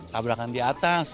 kabarkan di atas